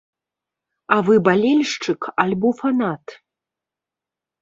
А вы балельшчык альбо фанат?